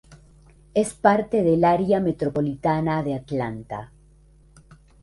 Es parte del área metropolitana de Atlanta.